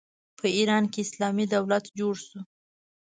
په ایران کې اسلامي دولت جوړ شو.